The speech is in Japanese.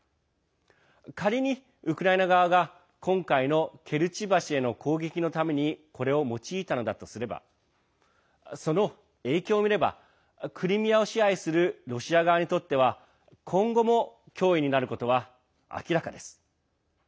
仮にウクライナ側が今回のケルチ橋への攻撃のためにこれを用いたのだとすればその影響を見ればクリミアを支配するロシア側にとっては今後も脅威になることは明らかです。